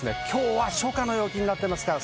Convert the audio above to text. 今日は初夏の陽気になっています。